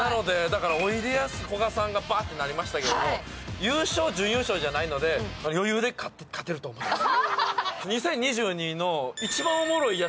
おいでやすこがさんがパーッとなりましたけど、優勝、準優勝じゃないので、余裕で勝てると思います。